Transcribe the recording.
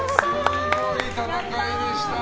すごい戦いでした。